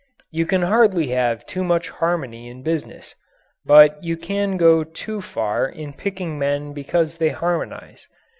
You can hardly have too much harmony in business. But you can go too far in picking men because they harmonize.